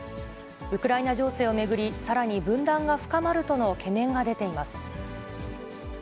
ウクライナ情勢を巡り、さらに分断が深まるとの懸念が出ています。